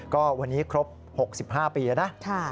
ก็วันนี้ครบ๖๕ปีนะ